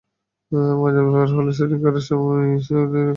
মজার ব্যাপার, ব্যাটিং গড়ে সেরা পাঁচ অধিনায়কের চারজনই খেলছেন কলম্বো টেস্টে।